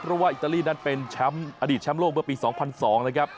เพราะว่าอิตาลีนั้นเป็นแชมป์อดีตแชมป์โลกเมื่อปี๒๐๐๒นะครับ